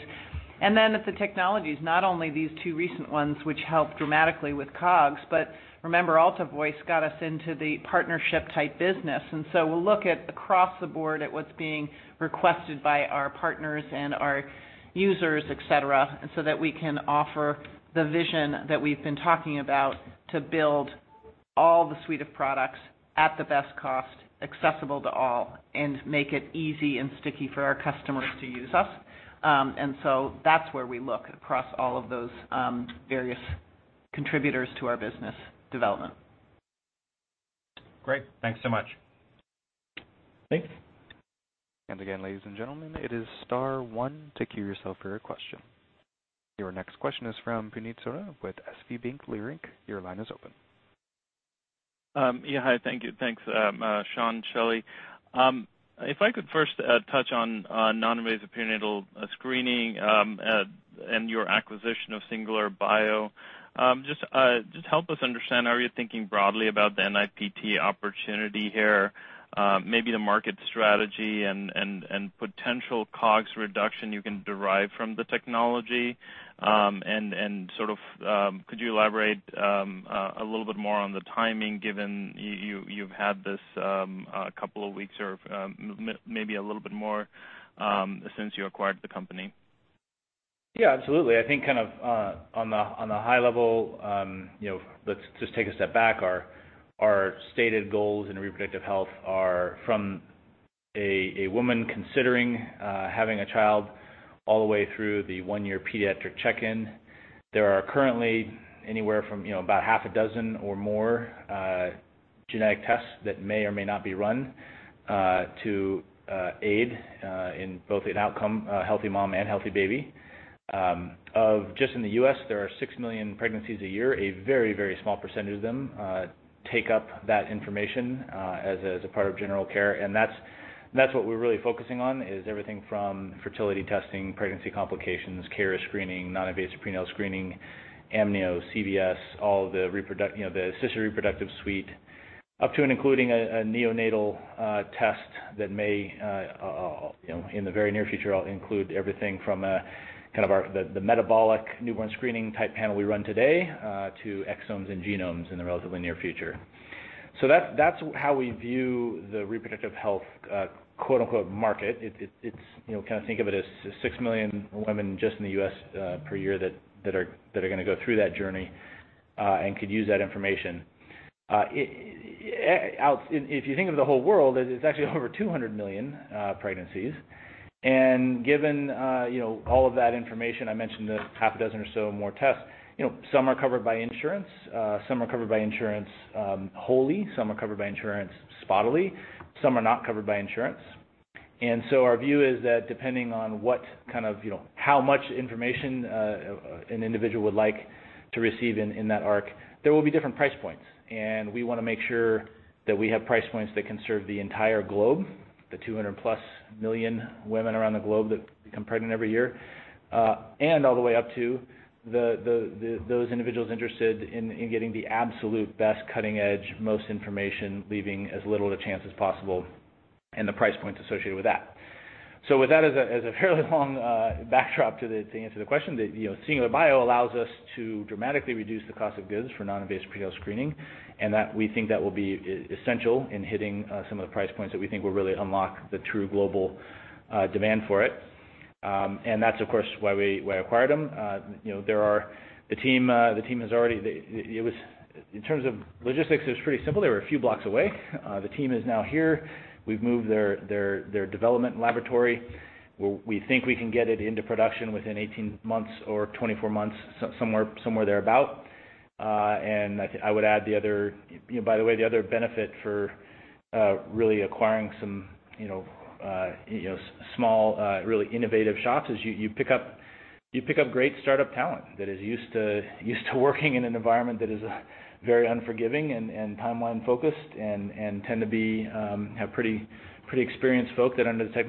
At the technologies, not only these two recent ones, which help dramatically with COGS, but remember AltaVoice got us into the partnership-type business. We'll look at across the board at what's being requested by our partners and our users, et cetera, so that we can offer the vision that we've been talking about to build all the suite of products at the best cost, accessible to all, and make it easy and sticky for our customers to use us. That's where we look across all of those various contributors to our business development. Great. Thanks so much. Thanks. Again, ladies and gentlemen, it is star one to queue yourself for a question. Your next question is from Puneet Souda with SVB Leerink. Your line is open. Yeah, hi. Thank you. Thanks, Sean, Shelly. If I could first touch on non-invasive prenatal screening and your acquisition of Singular Bio. Just help us understand, are you thinking broadly about the NIPT opportunity here, maybe the market strategy and potential COGS reduction you can derive from the technology? Could you elaborate a little bit more on the timing, given you've had this a couple of weeks or maybe a little bit more since you acquired the company? Yeah, absolutely. I think on the high level, let's just take a step back. Our stated goals in reproductive health are from a woman considering having a child all the way through the one-year pediatric check-in. There are currently anywhere from about half a dozen or more genetic tests that may or may not be run to aid in both an outcome, healthy mom and healthy baby. Just in the U.S., there are 6 million pregnancies a year. A very, very small percentage of them take up that information as a part of general care. That's what we're really focusing on is everything from fertility testing, pregnancy complications, carrier screening, non-invasive prenatal screening, amnio, CVS, all the assisted reproductive suite, up to and including a neonatal test that may, in the very near future, include everything from the metabolic newborn screening-type panel we run today to exomes and genomes in the relatively near future. That's how we view the reproductive health "market." Think of it as 6 million women just in the U.S. per year that are going to go through that journey and could use that information. If you think of the whole world, it's actually over 200 million pregnancies, and given all of that information, I mentioned the half a dozen or so more tests. Some are covered by insurance. Some are covered by insurance wholly, some are covered by insurance spottily. Some are not covered by insurance. Our view is that depending on how much information an individual would like to receive in that arc, there will be different price points, and we want to make sure that we have price points that can serve the entire globe, the 200-plus million women around the globe that become pregnant every year, and all the way up to those individuals interested in getting the absolute best cutting-edge, most information, leaving as little to chance as possible and the price points associated with that. With that as a fairly long backdrop to answer the question, Singular Bio allows us to dramatically reduce the cost of goods for non-invasive prenatal screening, and we think that will be essential in hitting some of the price points that we think will really unlock the true global demand for it. That's, of course, why we acquired them. In terms of logistics, it was pretty simple. They were a few blocks away. The team is now here. We've moved their development laboratory. We think we can get it into production within 18 months or 24 months, somewhere thereabout. I would add, by the way, the other benefit for really acquiring some small, really innovative shops is you pick up great startup talent that is used to working in an environment that is very unforgiving and timeline-focused and tend to have pretty experienced folk that understand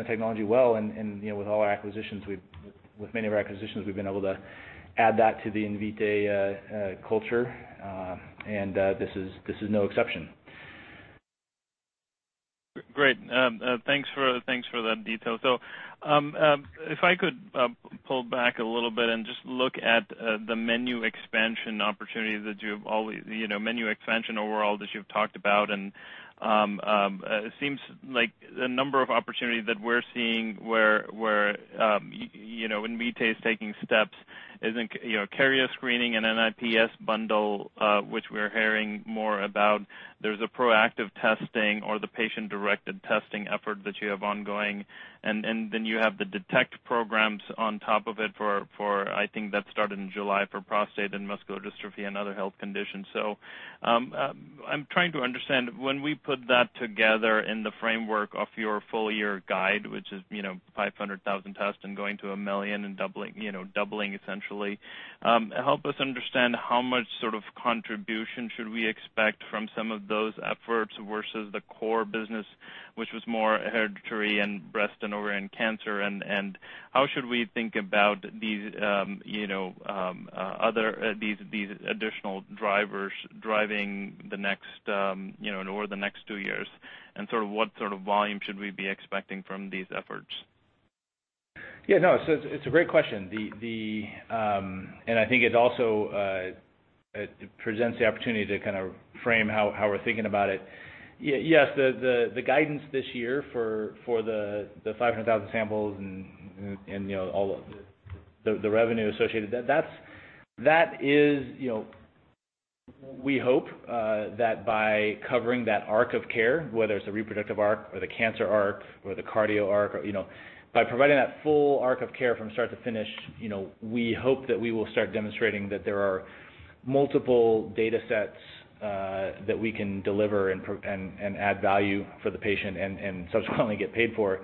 the technology well. With many of our acquisitions, we've been able to add that to the Invitae culture, and this is no exception. Great. Thanks for that detail. If I could pull back a little bit and just look at the menu expansion overall that you've talked about, and it seems like the number of opportunities that we're seeing where Invitae is taking steps is in carrier screening and NIPS bundle, which we're hearing more about. There's a proactive testing or the patient-directed testing effort that you have ongoing, and then you have the Detect programs on top of it for, I think that started in July, for prostate and muscular dystrophy and other health conditions. I'm trying to understand. When we put that together in the framework of your full year guide, which is 500,000 tests and going to 1 million and doubling essentially, help us understand how much contribution should we expect from some of those efforts versus the core business, which was more hereditary and breast and ovarian cancer, and how should we think about these additional drivers driving the next two years? What sort of volume should we be expecting from these efforts? Yeah, no. It's a great question. I think it also presents the opportunity to frame how we're thinking about it. Yes, the guidance this year for the 500,000 samples and all the revenue associated, we hope that by covering that arc of care, whether it's the reproductive arc or the cancer arc or the cardio arc, by providing that full arc of care from start to finish, we hope that we will start demonstrating that there are multiple data sets that we can deliver and add value for the patient and subsequently get paid for.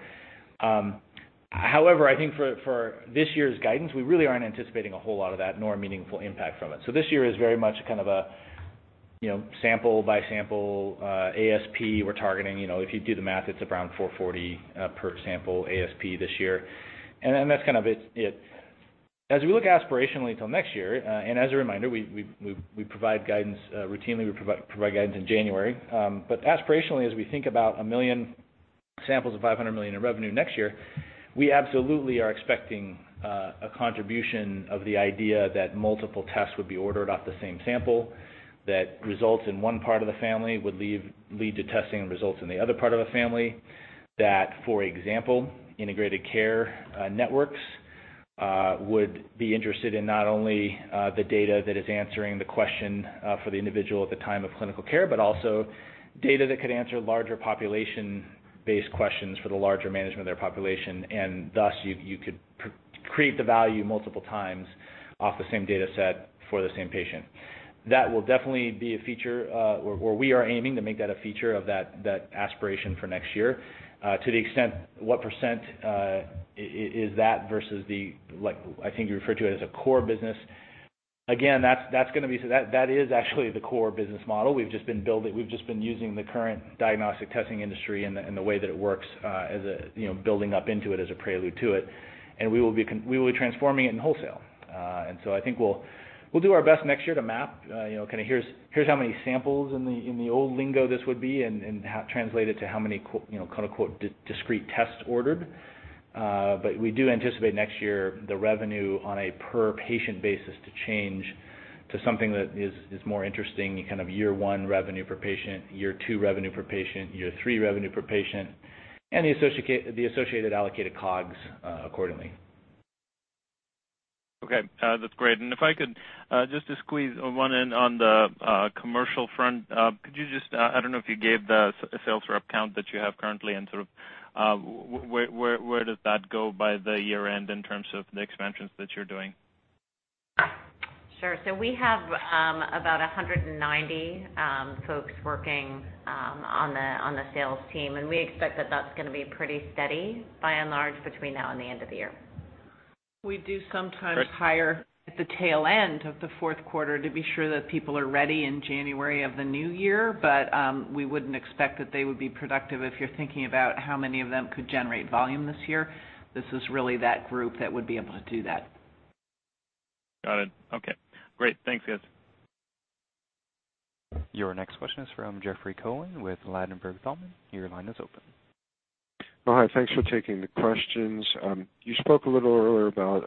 However, I think for this year's guidance, we really aren't anticipating a whole lot of that, nor a meaningful impact from it. This year is very much a sample-by-sample ASP we're targeting. If you do the math, it's around $440 per sample ASP this year. That's kind of it. As we look aspirationally until next year, as a reminder, we provide guidance routinely, we provide guidance in January. Aspirationally, as we think about 1 million samples of $500 million in revenue next year, we absolutely are expecting a contribution of the idea that multiple tests would be ordered off the same sample, that results in one part of the family would lead to testing results in the other part of the family. That, for example, integrated care networks would be interested in not only the data that is answering the question for the individual at the time of clinical care, but also data that could answer larger population-based questions for the larger management of their population, thus, you could create the value multiple times off the same data set for the same patient. That will definitely be a feature, or we are aiming to make that a feature of that aspiration for next year. To the extent, what % is that versus the, I think you referred to it as a core business? Again, that is actually the core business model. We've just been using the current diagnostic testing industry and the way that it works as building up into it as a prelude to it, and we will be transforming it in wholesale. I think we'll do our best next year to map, kind of here's how many samples in the old lingo this would be and translate it to how many "discrete tests" ordered. We do anticipate next year the revenue on a per-patient basis to change to something that is more interesting, kind of year one revenue per patient, year two revenue per patient, year three revenue per patient, and the associated allocated COGS, accordingly. Okay. That's great. If I could, just to squeeze one in on the commercial front, could you I don't know if you gave the sales rep count that you have currently, and where does that go by the year-end in terms of the expansions that you're doing? Sure. We have about 190 folks working on the sales team, and we expect that that's going to be pretty steady by and large, between now and the end of the year. We do sometimes hire at the tail end of the fourth quarter to be sure that people are ready in January of the new year. We wouldn't expect that they would be productive if you're thinking about how many of them could generate volume this year. This is really that group that would be able to do that. Got it. Okay. Great. Thanks, guys. Your next question is from Jeffrey Cohen with Ladenburg Thalmann. Your line is open. Hi, thanks for taking the questions. You spoke a little earlier about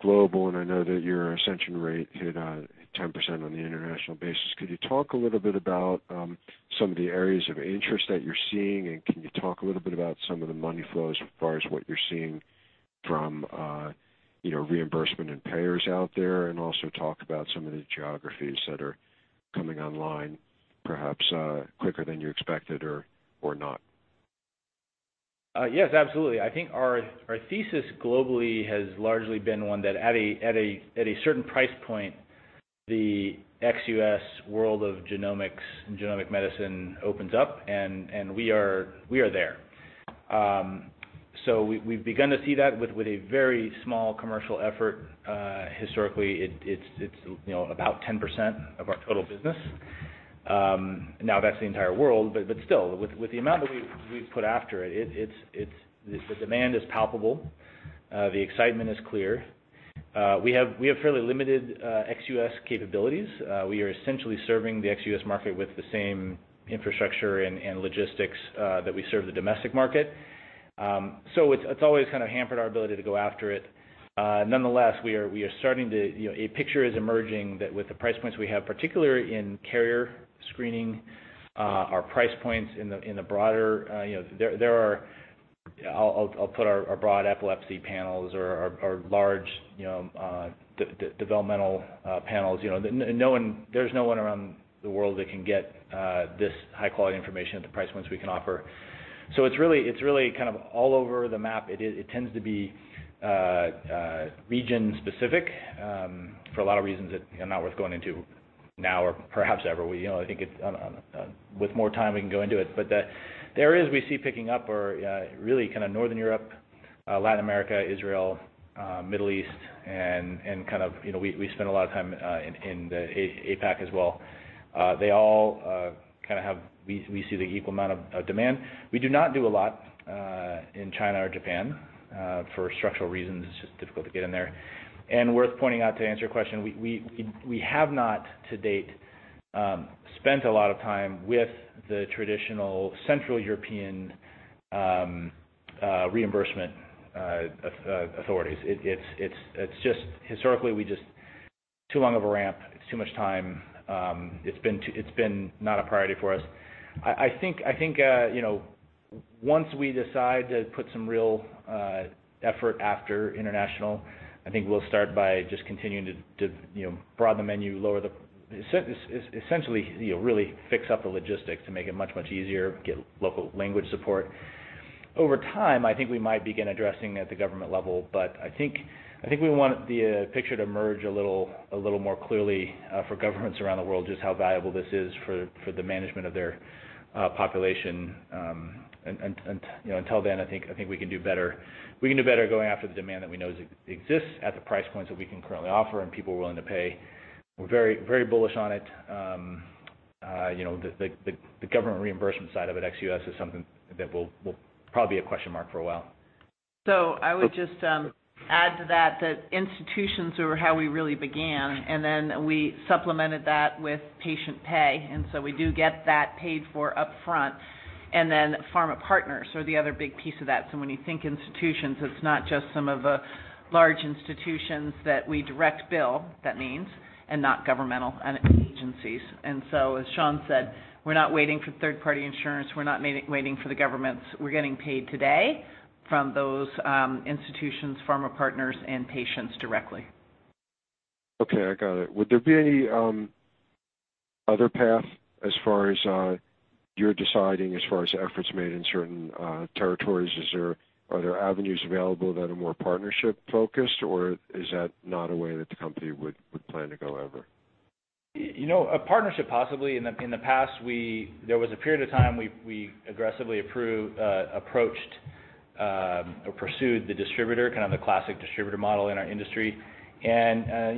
global. I know that your accession rate hit 10% on the international basis. Could you talk a little bit about some of the areas of interest that you're seeing? Can you talk a little bit about some of the money flows as far as what you're seeing from reimbursement and payers out there? Also talk about some of the geographies that are coming online, perhaps quicker than you expected or not. Yes, absolutely. I think our thesis globally has largely been one that at a certain price point, the ex-U.S. world of genomics and genomic medicine opens up, and we are there. We've begun to see that with a very small commercial effort. Historically, it's about 10% of our total business. That's the entire world, but still, with the amount that we've put after it, the demand is palpable, the excitement is clear. We have fairly limited ex-U.S. capabilities. We are essentially serving the ex-U.S. market with the same infrastructure and logistics that we serve the domestic market. It's always kind of hampered our ability to go after it. Nonetheless, a picture is emerging that with the price points we have, particularly in carrier screening, our price points in the broader, I'll put our broad epilepsy panels or our large developmental panels. There's no one around the world that can get this high-quality information at the price points we can offer. It's really kind of all over the map. It tends to be region specific, for a lot of reasons that are not worth going into now or perhaps ever. I think with more time we can go into it. The areas we see picking up are really kind of Northern Europe, Latin America, Israel, Middle East, and we spend a lot of time in the APAC as well. We see the equal amount of demand. We do not do a lot in China or Japan for structural reasons. It's just difficult to get in there. Worth pointing out, to answer your question, we have not to date spent a lot of time with the traditional Central European reimbursement authorities. Historically, too long of a ramp, it's too much time. It's been not a priority for us. I think once we decide to put some real effort after international, I think we'll start by just continuing to broaden the menu, essentially really fix up the logistics to make it much easier, get local language support. Over time, I think we might begin addressing at the government level, but I think we want the picture to emerge a little more clearly for governments around the world, just how valuable this is for the management of their population. Until then, I think we can do better. We can do better going after the demand that we know exists at the price points that we can currently offer and people are willing to pay. We're very bullish on it. The government reimbursement side of it, ex-U.S., is something that will probably be a question mark for a while. I would just add to that institutions are how we really began, and then we supplemented that with patient pay, and so we do get that paid for upfront. Pharma partners are the other big piece of that. When you think institutions, it's not just some of the large institutions that we direct bill, that means, and not governmental agencies. As Sean said, we're not waiting for third-party insurance. We're not waiting for the governments. We're getting paid today from those institutions, pharma partners, and patients directly. Okay, I got it. Would there be any other path as far as you're deciding, as far as efforts made in certain territories? Are there avenues available that are more partnership focused, or is that not a way that the company would plan to go ever? A partnership, possibly. In the past, there was a period of time we aggressively approached or pursued the distributor, kind of the classic distributor model in our industry. I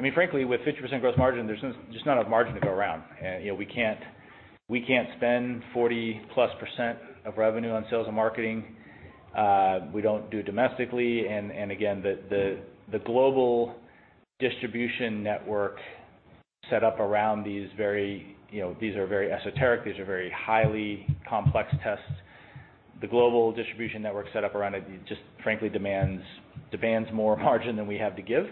mean, frankly, with 50% gross margin, there's just not enough margin to go around. We can't spend 40-plus% of revenue on sales and marketing. We don't do it domestically, and again, the global distribution network set up around These are very esoteric, these are very highly complex tests. The global distribution network set up around it just frankly demands more margin than we have to give.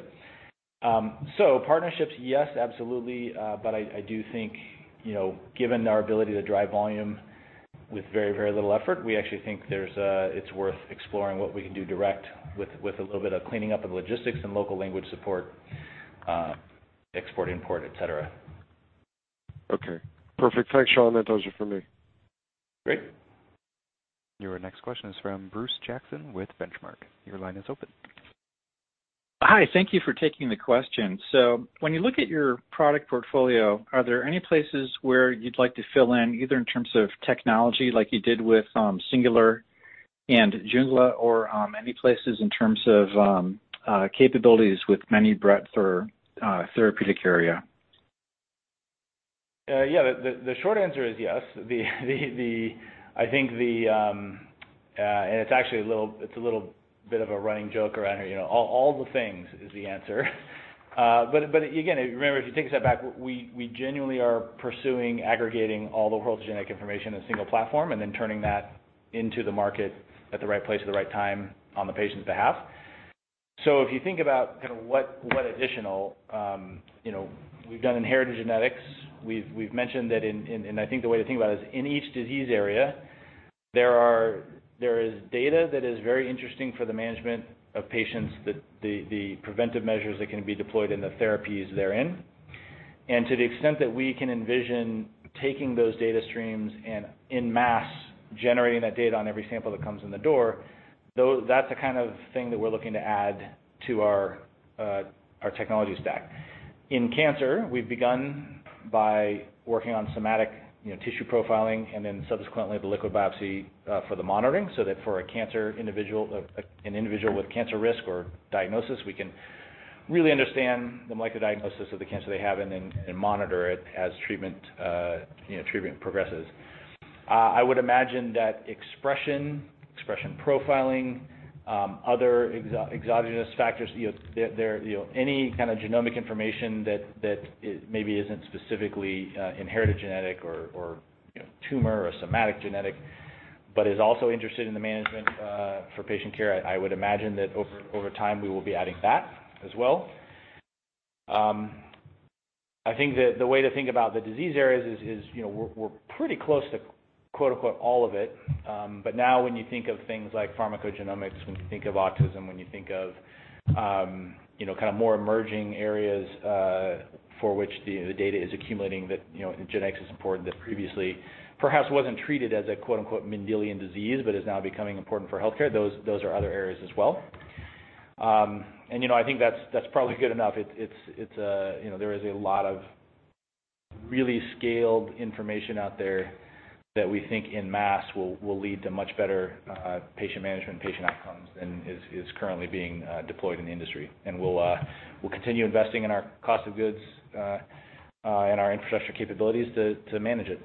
Partnerships, yes, absolutely. I do think, given our ability to drive volume with very, very little effort, we actually think it's worth exploring what we can do direct with a little bit of cleaning up of logistics and local language support, export, import, et cetera. Okay, perfect. Thanks, Sean. That does it for me. Great. Your next question is from Bruce Jackson with Benchmark. Your line is open. Hi, thank you for taking the question. When you look at your product portfolio, are there any places where you'd like to fill in, either in terms of technology like you did with Singular and Jungla, or any places in terms of capabilities with many breadth or therapeutic area? Yeah, the short answer is yes. It's actually a little bit of a running joke around here. All the things is the answer. Again, remember, if you take a step back, we genuinely are pursuing aggregating all the world's genetic information in a single platform and then turning that into the market at the right place at the right time on the patient's behalf. If you think about what additional We've done inherited genetics. We've mentioned that, and I think the way to think about it is in each disease area, there is data that is very interesting for the management of patients, the preventive measures that can be deployed and the therapies therein. To the extent that we can envision taking those data streams and in mass generating that data on every sample that comes in the door, that's the kind of thing that we're looking to add to our technology stack. In cancer, we've begun by working on somatic tissue profiling and then subsequently the liquid biopsy for the monitoring, so that for an individual with cancer risk or diagnosis, we can really understand the microdiagnosis of the cancer they have and then monitor it as treatment progresses. I would imagine that expression profiling, other exogenous factors, any kind of genomic information that maybe isn't specifically inherited genetic or tumor or somatic genetic, but is also interested in the management for patient care, I would imagine that over time, we will be adding that as well. I think that the way to think about the disease areas is we're pretty close to, quote unquote, all of it. Now when you think of things like pharmacogenomics, when you think of autism, when you think of more emerging areas for which the data is accumulating that genetics is important that previously perhaps wasn't treated as a, quote unquote, Mendelian disease but is now becoming important for healthcare, those are other areas as well. I think that's probably good enough. There is a lot of really scaled information out there that we think in mass will lead to much better patient management and patient outcomes than is currently being deployed in the industry. We'll continue investing in our cost of goods and our infrastructure capabilities to manage it.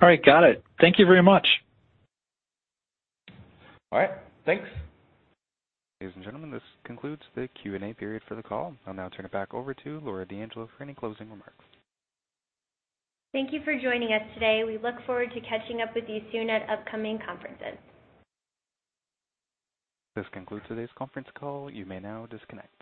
All right, got it. Thank you very much. All right, thanks. Ladies and gentlemen, this concludes the Q&A period for the call. I'll now turn it back over to Laura D'Angelo for any closing remarks. Thank you for joining us today. We look forward to catching up with you soon at upcoming conferences. This concludes today's conference call. You may now disconnect.